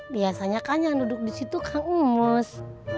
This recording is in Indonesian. biasanya kan yang duduk disitu kang umus